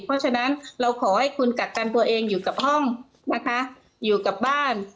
เพราะฉะนั้นเราขอให้คุณกักกันตัวเองอยู่กับห้องนะคะอยู่กับบ้าน